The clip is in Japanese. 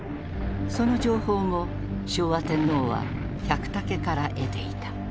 その情報も昭和天皇は百武から得ていた。